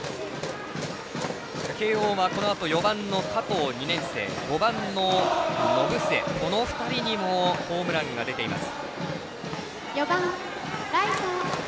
慶応はこのあと４番の加藤、２年生５番の延末、この２人にもホームランが出ています。